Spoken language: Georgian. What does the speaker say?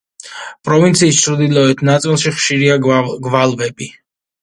პროვინციის ჩრდილოეთ ნაწილში ხშირია გვალვები.